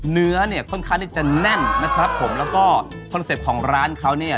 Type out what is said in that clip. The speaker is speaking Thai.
เนื้อเนี่ยค่อนข้างที่จะแน่นนะครับผมแล้วก็คอนเซ็ปต์ของร้านเขาเนี่ย